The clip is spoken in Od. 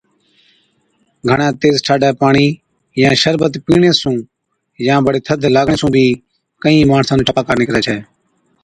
گھڻَي تيز ٺاڍَي پاڻِي يان بشربت پِيڻي سُون يان بڙي ٿڌ لاگڻي سُون بِي ڪهِين ماڻسان نُون ڇاپاڪا نِڪرَي ڇَي۔